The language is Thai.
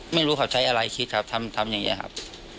ไม่รู้เขาใช้อะไรคิดครับทำอย่างนี้ครับ